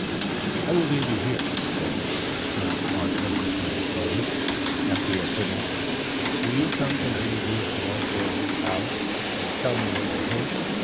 "I will leave you here," she said, "you will not want me, I suppose? After you have finished, will you come to Lady Ruth Worsfold's house, and tell me what you think?